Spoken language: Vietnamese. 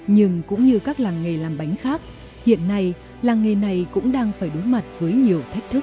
nhưng cũng như các làng nghề làm bánh khác hiện nay làng nghề này cũng đang phải đối mặt với nhiều thách thức